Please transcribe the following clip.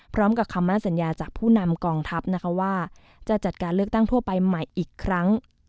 พร้อมกับคำมั่นสัญญาจากผู้นำกองทัพนะคะว่าจะจัดการเลือกตั้งทั่วไปใหม่อีกครั้ง